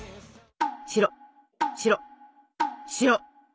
白白白！